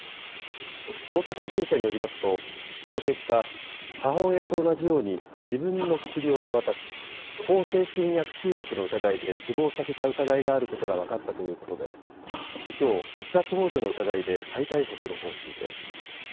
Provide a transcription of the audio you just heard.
捜査関係者によりますと、その結果、母親と同じように、自分の薬を手渡し、向精神薬中毒の疑いで死亡させた疑いがあることが分かったということで、きょう、自殺ほう助の疑いで再逮捕する方針です。